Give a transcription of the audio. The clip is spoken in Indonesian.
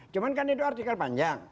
cuma kan itu artikel panjang